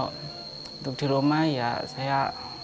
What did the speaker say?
untuk di rumah ya saya